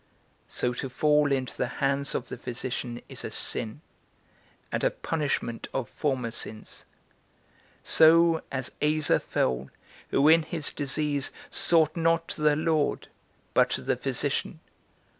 So to fall into the hands of the physician is a sin, and a punishment of former sins; so, as Asa fell, who in his disease sought not to the Lord, but to the physician.